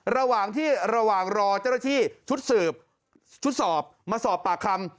ระหว่างรอเจ้าหน้าที่ชุดสืบชุดสอบมาสอบปากคำ